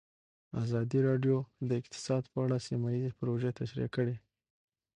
ازادي راډیو د اقتصاد په اړه سیمه ییزې پروژې تشریح کړې.